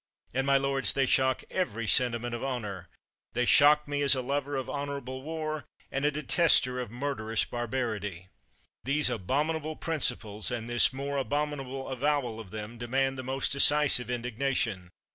And, my lords, they shock every sentiment of honor; they shock me as a lover of honorable war, and a detester of murderous barbarity. These abominable principles, and this more abominable avowal of them, demand the most decisive indignation.